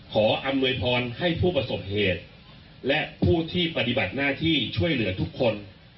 อำนวยพรให้ผู้ประสบเหตุและผู้ที่ปฏิบัติหน้าที่ช่วยเหลือทุกคน